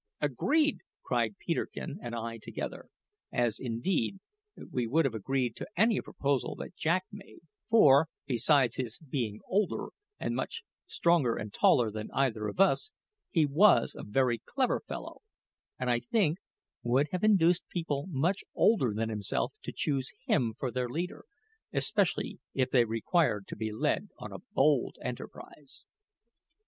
"Agreed!" cried Peterkin and I together, as, indeed, we would have agreed to any proposal that Jack made; for, besides his being older and much stronger and taller than either of us, he was a very clever fellow, and, I think, would have induced people much older than himself to choose him for their leader, especially if they required to be led on a bold enterprise.